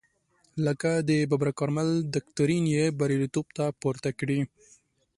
لکه د ببرک کارمل دکترین یې بریالیتوب ته پورته کړی.